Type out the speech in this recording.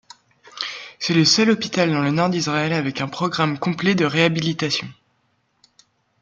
C'est le seul hôpital dans le nord d'Israël avec un programme complet de réhabilitation.